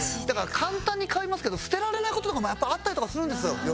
だから簡単に買えますけど捨てられない事とかもやっぱりあったりとかするんですよ